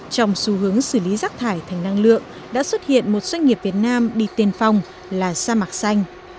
trong xu hướng xử lý rác thải thành năng lượng đã xuất hiện một doanh nghiệp việt nam đi tiên phong là sa mạc xanh